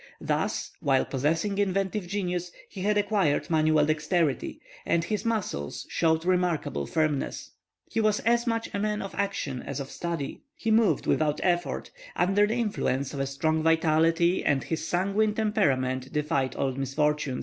Thus, while possessing inventive genius, he had acquired manual dexterity, and his muscles showed remarkable firmness. He was as much a man of action as of study; he moved without effort, under the influence of a strong vitality and his sanguine temperament defied all misfortune.